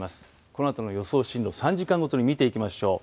このあとの予想進路３時間ごとに見ていきましょう。